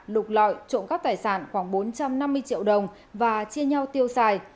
lục lọi trộm cắp tài sản khoảng bốn trăm năm mươi triệu đồng và chia nhau tiêu xài